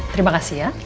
terima kasih ya